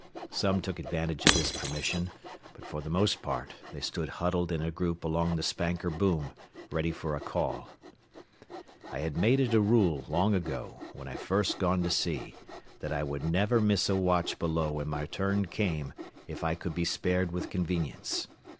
Some took advantage of this permission, but for the most part they stood huddled in a group along the spanker boom, ready for a call. I had made it a rule long ago, when I had first gone to sea, that I would never miss a watch below when my turn came if I could be spared with convenience.